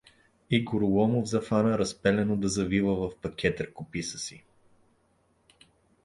И Гороломов зафана разпалено да завива в пакет ръкописа си.